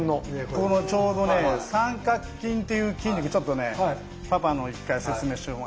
このちょうどね三角筋っていう筋肉ちょっとねパパの一回説明しましょうか。